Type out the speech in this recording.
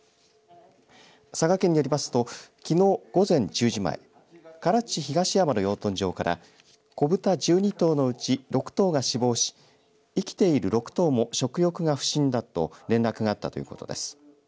佐賀県によりますときのう午前１０時前唐津市東山の養豚場から子豚１２頭のち６頭が死亡し生きている６頭も食欲が不振だと連絡があったということです。